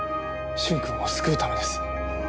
駿君を救うためです。